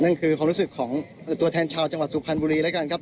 นั่นคือความรู้สึกของตัวแทนชาวจังหวัดสุพรรณบุรีแล้วกันครับ